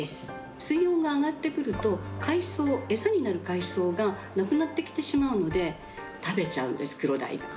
水温が上がってくると海藻、餌になる海藻がなくなってきてしまうので食べちゃうんですクロダイ。